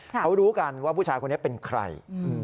เขารู้กันว่าผู้ชายคนนี้เป็นใคร